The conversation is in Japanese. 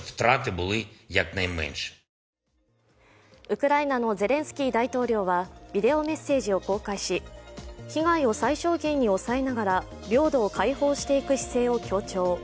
ウクライナのゼレンスキー大統領は、ビデオメッセージを公開し被害を最小限に抑えながら、領土を解放していく姿勢を強調。